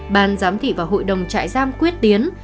ban giám thị và hội đồng trại giam quyết tiến